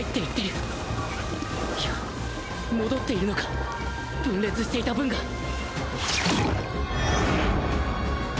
いや戻っているのか分裂していた分が